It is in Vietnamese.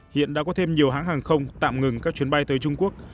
hiện đã có thêm nhiều hãng hàng không tạm ngừng các chuyến bay tới trung quốc